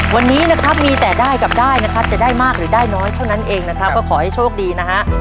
วันนี้นะครับมีแต่ได้กับได้นะครับจะได้มากหรือได้น้อยเท่านั้นเองนะครับก็ขอให้โชคดีนะฮะ